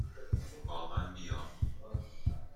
با من بیا!